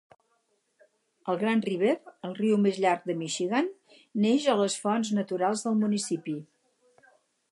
El Grand River, el riu més llarg de Michigan, neix a les fonts naturals del municipi.